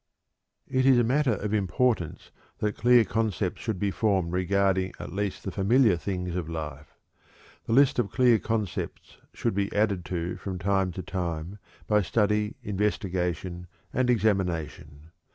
It is a matter of importance that clear concepts should be formed regarding at least the familiar things of life. The list of clear concepts should be added to from time to time by study, investigation, and examination.